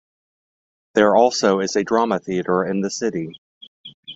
There also is a drama theater in the city.